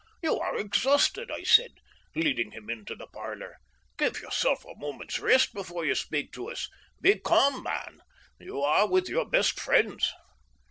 "You are exhausted," I said, leading him into the parlour. "Give yourself a moment's rest before you speak to us. Be calm, man, you are with your best friends."